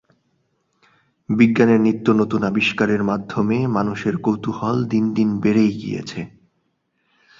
বিজ্ঞানের নিত্যনতুন আবিষ্কারের মাধ্যমে মানুষের কৌতুহল দিন দিন বেড়েই গিয়েছে।